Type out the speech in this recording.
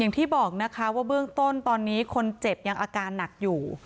อย่างที่บอกนะคะว่าเบื้องต้นตอนนี้คนเจ็บยังอาการหนักอยู่